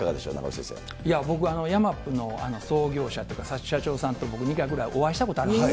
僕はヤマップの創業者っていうか、社長さんと僕、２回ぐらいお会いしたことあるんです。